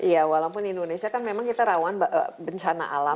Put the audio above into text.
ya walaupun indonesia kan memang kita rawan bencana alam